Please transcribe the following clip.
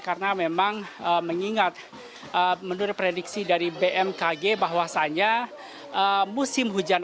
karena memang mengingat menurut prediksi dari bmkg bahwasannya musim hujan